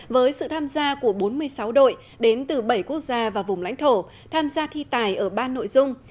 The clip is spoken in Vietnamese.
với sự tham gia của bốn mươi sáu đội đến từ bảy quốc gia và vùng lãnh thổ tham gia thi tài ở ba nội dung